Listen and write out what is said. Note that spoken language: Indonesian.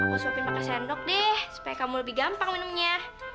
aku suapin pakai sendok deh supaya kamu lebih gampang minumnya